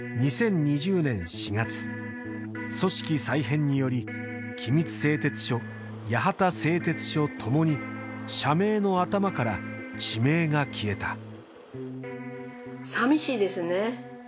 ２０２０年４月組織再編により君津製鉄所八幡製鉄所ともに社名の頭から地名が消えた寂しいですね